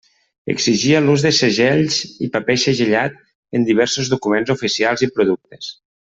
Exigia l'ús de segells i paper segellat en diversos documents oficials i productes.